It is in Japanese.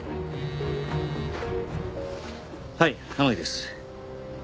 はい天樹です。